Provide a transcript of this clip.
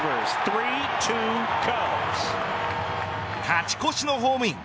勝ち越しのホームイン。